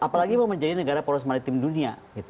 apalagi mau menjadi negara poros maritim dunia